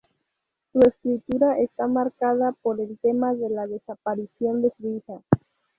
Su escritura está marcada por el tema de la desaparición de su hija.